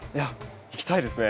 行きたいですね。